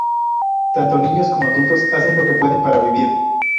Tanto niños como adultos hacen lo que pueden para vivir.